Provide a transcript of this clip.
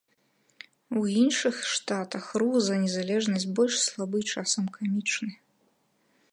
У іншыя штатах рух за незалежнасць больш слабы і часам камічны.